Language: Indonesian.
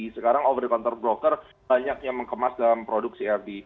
sekarang over counter broker banyak yang mengemas dalam produk crd